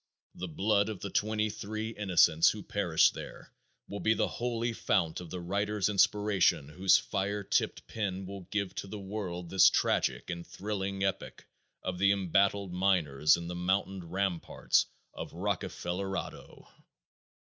The blood of the twenty three innocents who perished there will be the holy fount of the writer's inspiration whose fire tipped pen will give to the world this tragic and thrilling epic of the embattled miners in the mountain ramparts of Rockefellerado.